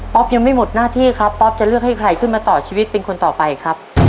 ยังไม่หมดหน้าที่ครับป๊อปจะเลือกให้ใครขึ้นมาต่อชีวิตเป็นคนต่อไปครับ